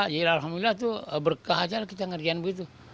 jadi alhamdulillah itu berkah aja kita ngajarin begitu